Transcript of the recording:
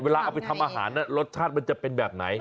เอาไปทำอาหารรสชาติมันจะเป็นแบบไหน